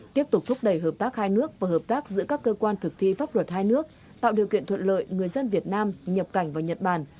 tiếp tục thúc đẩy hợp tác hai nước và hợp tác giữa các cơ quan thực thi pháp luật hai nước tạo điều kiện thuận lợi người dân việt nam nhập cảnh vào nhật bản